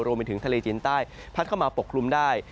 รวมไปถึงทะเลจีนใต้พัดเข้ามาปกคลุมได้